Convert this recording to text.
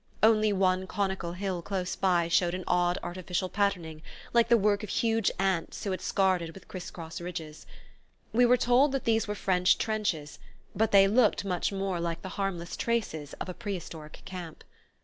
Only one conical hill close by showed an odd artificial patterning, like the work of huge ants who had scarred it with criss cross ridges. We were told that these were French trenches, but they looked much more like the harmless traces of a prehistoric camp.